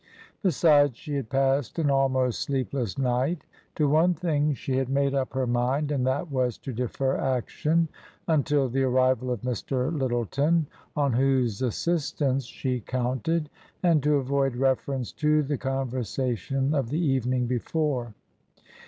Besides, she had passed an almost sleepless night To one thing she had made up her mind — and that was to defer action until the arrival of Mr. Lyttleton, on whose assistance she counted, and to avoid reference to the conversa tion of the evening before.